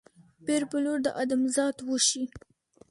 پېر پلور د ادم ذات وشي